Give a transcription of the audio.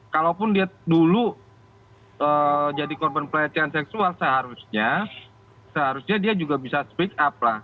kalaupun dia dulu jadi korban pelecehan seksual seharusnya seharusnya dia juga bisa speak up lah